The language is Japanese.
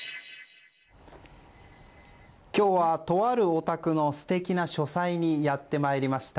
今日はとあるお宅の素敵な書斎にやってきました。